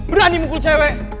berani mukul cewek